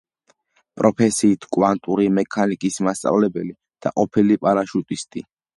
პროფესიით კვანტური მექანიკის მასწავლებელი და ყოფილი პარაშუტისტი.